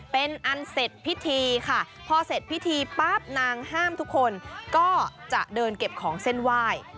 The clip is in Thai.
เป็นอันเสร็จพิธีค่ะพอเสร็จพิธีปั๊บนางห้ามทุกคนก็จะเดินเก็บของเส้นไหว้